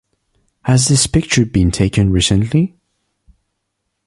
Has this picture been taken recently ?